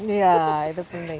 iya itu penting